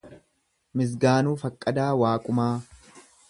Mizgaanuu Faqqadaa Waaqumaa